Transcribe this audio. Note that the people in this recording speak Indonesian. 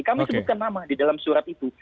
kami sebutkan nama di dalam surat itu